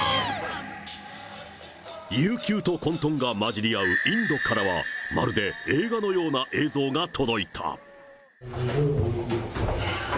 悠久と混とんが混じり合うインドからは、まるで映画のような映像が届いた。